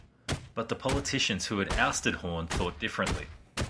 But the politicians who had ousted Horn thought differently.